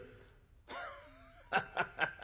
「ハハハハ！